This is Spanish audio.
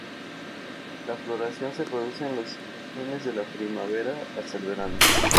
La floración se produce en los fines de la primavera hasta el verano.